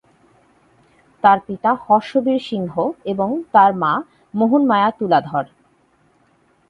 তার পিতা হর্ষ বীর সিংহ এবং তার মা মোহন মায়া তুলাধর।